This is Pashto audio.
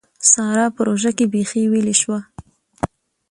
سارا په روژه کې بېخي ويلې شوه.